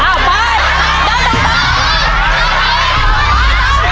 เอ้าไป